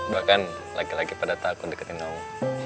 bahkan laki laki pada takut deketin kamu